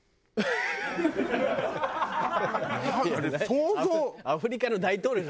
想像。